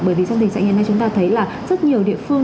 bởi vì trong tình trạng hiện nay chúng ta thấy là rất nhiều địa phương